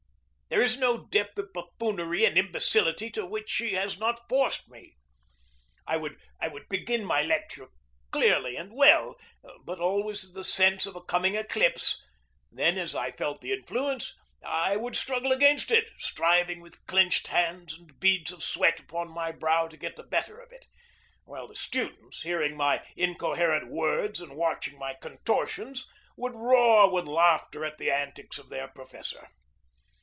There is no depth of buffoonery and imbecility to which she has not forced me. I would begin my lecture clearly and well, but always with the sense of a coming eclipse. Then as I felt the influence I would struggle against it, striving with clenched hands and beads of sweat upon my brow to get the better of it, while the students, hearing my incoherent words and watching my contortions, would roar with laughter at the antics of their professor.